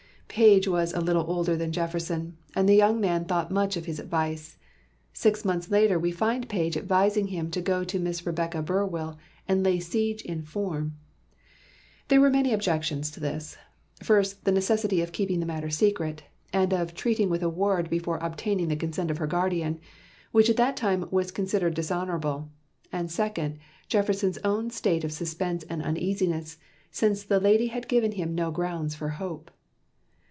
Page was a little older than Jefferson, and the young man thought much of his advice. Six months later we find Page advising him to go to Miss Rebecca Burwell and "lay siege in form." There were many objections to this first, the necessity of keeping the matter secret, and of "treating with a ward before obtaining the consent of her guardian," which at that time was considered dishonourable, and second, Jefferson's own state of suspense and uneasiness, since the lady had given him no grounds for hope.